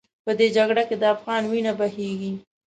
په دې جګړه کې د افغان وینه بهېږي.